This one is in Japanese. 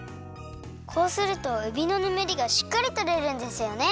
こうするとえびのぬめりがしっかりとれるんですよね。